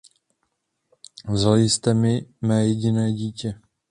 Vzali jste mi mé jediné dítě.